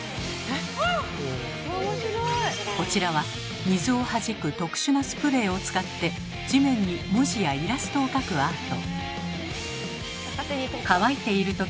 こちらは水をはじく特殊なスプレーを使って地面に文字やイラストを描くアート。